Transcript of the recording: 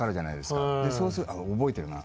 そうすると覚えてるな。